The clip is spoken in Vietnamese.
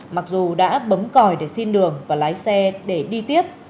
mặc dù đã bấm còi để xin đường và lái xe để đi tiếp